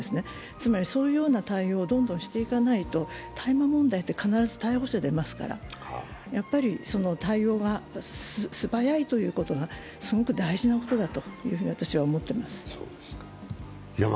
つまりそういうような対応をどんどんしていかないと、大麻問題って必ず逮捕者が出ますから対応が素早いということがすごく大事なことだと私は思っています。